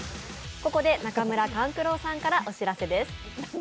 ここで中村勘九郎さんからお知らせです。